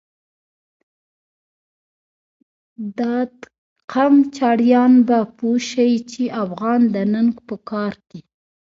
دادقم چړیان به پوه شی، چی افغان د ننګ په کار کی